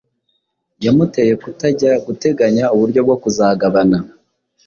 yamuteye kutajya guteganya uburyo bwo kuzagabana